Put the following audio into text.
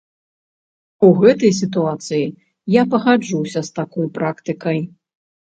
У гэтай сітуацыі я пагаджуся з такой практыкай.